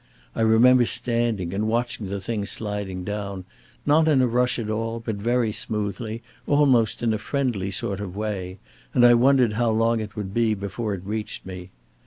I remember standing and watching the thing sliding down, not in a rush at all, but very smoothly, almost in a friendly sort of way, and I wondered how long it would be before it reached me.